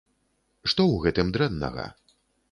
Што ў гэтым дрэннага?